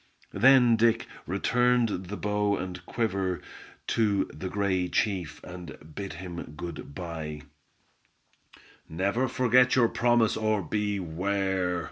Then Dick returned the bow and quiver to the gray chief, and bid him good by. "Never forget your promise, or beware!"